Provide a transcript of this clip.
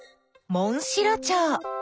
モンシロチョウ。